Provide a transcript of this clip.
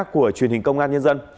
của truyền hình công an nhân dân